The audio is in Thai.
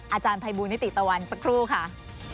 อาจารย์ภัยบูลนิติตะวันสักครู่ค่ะ